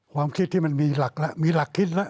ความคิดที่มันมีหลักคิดละ